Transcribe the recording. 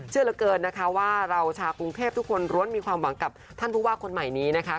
เชื่อเหลือเกินนะคะว่าเราชาวกรุงเทพทุกคนล้วนมีความหวังกับท่านผู้ว่าคนใหม่นี้นะคะ